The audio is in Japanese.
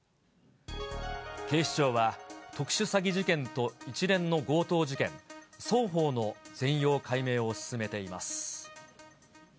警視庁は、特殊詐欺事件と一連の強盗事件、双方の全容解明を進めています。